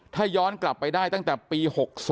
ถ้าย้อนกลับไปได้ตั้งแต่ปี๖๐